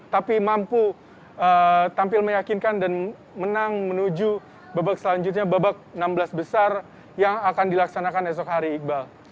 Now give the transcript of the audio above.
tapi mampu tampil meyakinkan dan menang menuju babak selanjutnya babak enam belas besar yang akan dilaksanakan esok hari iqbal